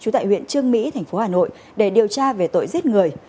trương mỹ tp hà nội để điều tra về tội giết người